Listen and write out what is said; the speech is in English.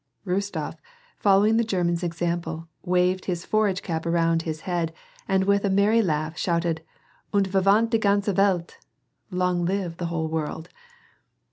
Rostof, following the German's example, waved his forage cap around his head, and with a merry langh shouted, " Und vivat die ganze Welt !— Long live the whole world